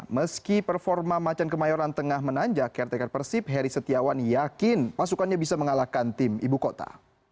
meski performa macan kemayoran tengah menanjak caretaker persib heri setiawan yakin pasukannya bisa mengalahkan tim ibu kota